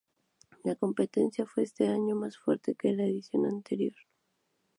La competencia fue ese año más fuerte que en la edición anterior.